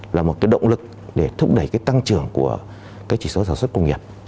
là một động lực để thúc đẩy tăng trưởng của chỉ số sản xuất công nghiệp